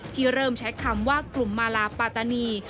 ที่เริ่มใช้คำว่ากลุ่มมาลาปาตานี